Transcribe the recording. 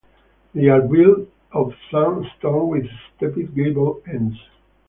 They are built of sandstone with stepped gable ends.